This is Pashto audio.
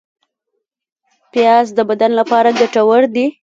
پیاز د بدن لپاره ګټور دی